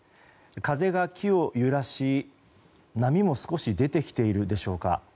風が木を揺らし波も少し出てきているでしょうか。